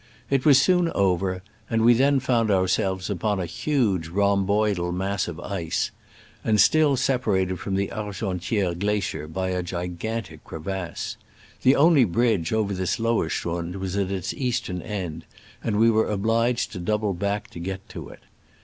It was soon over, and we then found ourselves upon a huge rhomboidal mass of ice, and still separated from the Argentiere glacier by a gigantic crevasse. The only bridge over this lower schrund was at its eastern end, and we were obliged to double back to get to it.